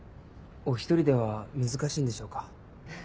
お一人では難しいんでしょうか？